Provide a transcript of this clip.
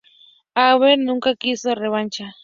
Hagler nunca quiso revancha.